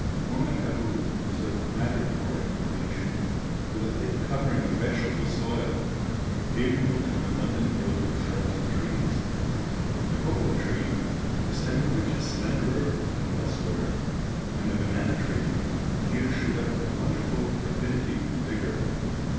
Tonga Tabou is of madreporic formation, with a thick covering of vegetable soil, favourable to an abundant growth of shrubs and trees. The cocoa tree, the stem of which is slenderer than elsewhere, and the banana tree here shoot up with wonderful rapidity and vigour.